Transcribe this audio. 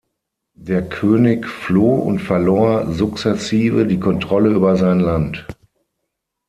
Der König floh und verlor sukzessive die Kontrolle über sein Land.